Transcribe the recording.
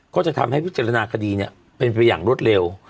ก็จะทำให้พิจารณาคดีเป็นไปอย่างรวดเร็ว